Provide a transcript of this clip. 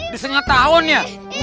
di setengah tahun ya